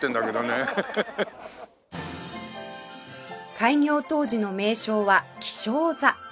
開業当時の名称は「喜昇座」